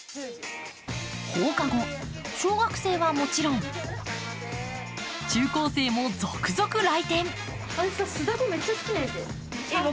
放課後、小学生はもちろん中高生も続々来店。